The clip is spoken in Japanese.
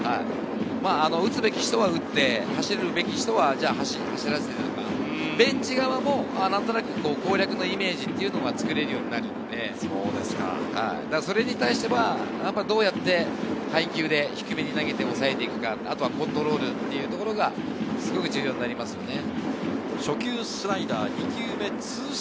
打つべき人は打って、走るべき人は走らせて、ベンチ側も何となく攻略のイメージがつくれるようになるので、それに対しては、どうやって配球で低めに投げて抑えていくか、あとはコントロールというところがすごく重要になりますね。